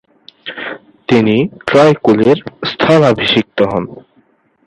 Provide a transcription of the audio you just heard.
তিনি ট্রয় কুলি’র স্থলাভিষিক্ত হন।